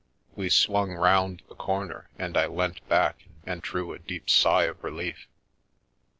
We swung round the corner and I leant back and drew a deep sigh of relief.